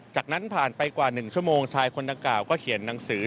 จากนั้นผ่านไปกว่า๑ชั่วโมงชายคนดังกล่าวก็เขียนหนังสือ